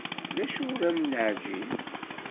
D acu ur am-neεǧib?